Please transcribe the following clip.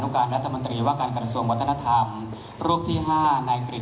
ถือว่าชีวิตที่ผ่านมายังมีความเสียหายแก่ตนและผู้อื่น